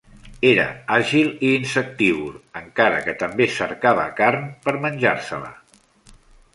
Era àgil i insectívor, encara que també cercava carn per menjar-se-la.